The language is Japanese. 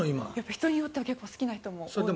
人によっては好きな人も。